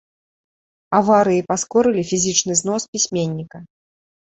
Аварыі паскорылі фізічны знос пісьменніка.